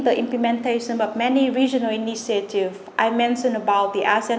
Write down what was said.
để cơ hội truyền thông được giúp cơ hội truyền thông báo tốt hơn